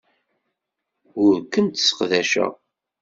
Ur kent-sseqdaceɣ.